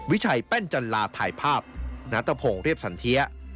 วิชัยแป้นจันลาถ่ายภาพณตะพงศ์เรียบสันเทีย